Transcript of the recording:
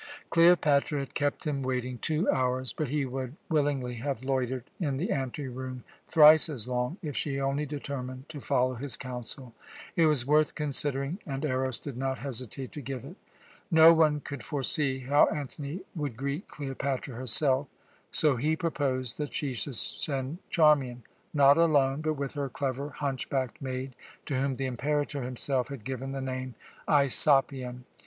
Cleopatra had kept him waiting two hours, but he would willingly have loitered in the anteroom thrice as long if she only determined to follow his counsel. It was worth considering, and Eros did not hesitate to give it. No one could foresee how Antony would greet Cleopatra herself, so he proposed that she should send Charmian not alone, but with her clever hunch backed maid, to whom the Imperator himself had given the name "Aisopion."